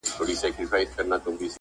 خپله خاوره به په خپلو وینو پالم